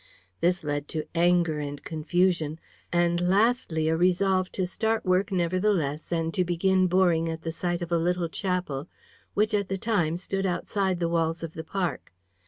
This led to anger and confusion and lastly a resolve to start work, nevertheless, and to begin boring at the site of a little chapel which, at that time, stood outside the walls of the park.